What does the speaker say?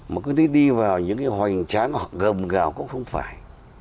mà cứ đi vào những cái hoành tráng hoặc gầm gào cũng không phải